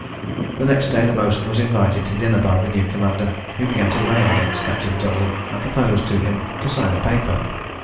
The next day the boatswain was invited to dinner by the new commander, who began to rail against Captain Dudley, and proposed to him to sign a paper.